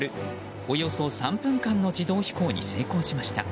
およそ３分間の自動飛行に成功しました。